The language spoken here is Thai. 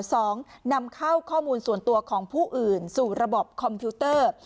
นำเข้าข้อมูลส่วนตัวของผู้อื่นสู่ระบบคอมพิวเตอร์